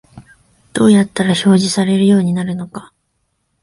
どうやったら表示されるようになるのか